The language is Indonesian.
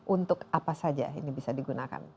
untuk apa saja ini bisa digunakan